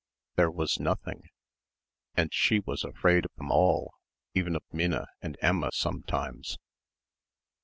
There was nothing ... and she was afraid of them all, even of Minna and Emma sometimes.